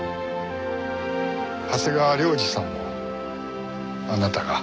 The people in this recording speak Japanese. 長谷川亮二さんもあなたが？